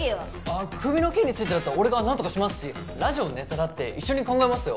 クビの件についてだったら俺がなんとかしますしラジオのネタだって一緒に考えますよ。